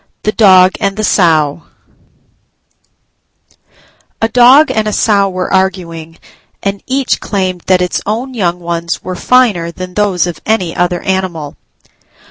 THE DOG AND THE SOW A Dog and a Sow were arguing and each claimed that its own young ones were finer than those of any other animal.